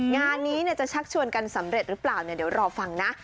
งานนี้จะชักชวนกันสำเร็จหรือเปล่าเนี่ยเดี๋ยวรอฟังนะ